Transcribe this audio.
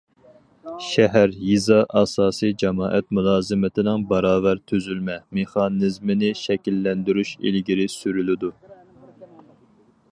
شەھەر، يېزا ئاساسىي جامائەت مۇلازىمىتىنىڭ باراۋەر تۈزۈلمە، مېخانىزمىنى شەكىللەندۈرۈش ئىلگىرى سۈرۈلىدۇ.